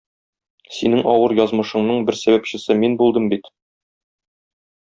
Синең авыр язмышыңның бер сәбәпчесе мин булдым бит.